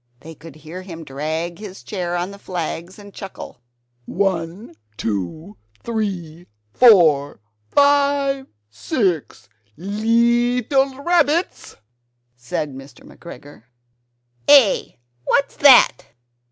They could hear him drag his chair on the flags, and chuckle "One, two, three, four, five, six leetle rabbits!" said Mr. McGregor. "Eh? What's that?